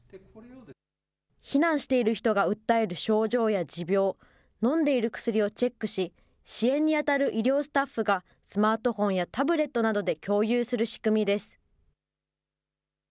避難している人が訴える症状や持病、飲んでいる薬をチェックし、支援に当たる医療スタッフが、スマートフォンやタブレットなどで共有する仕組みです。